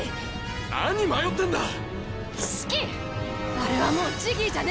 あれはもうジギーじゃねえ！